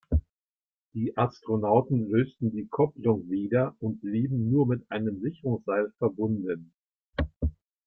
Die Astronauten lösten die Kopplung wieder und blieben nur mit einem Sicherungsseil verbunden.